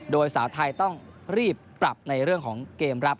โดยสาวไทยต้องรีบปรับในเรื่องของเกมรับ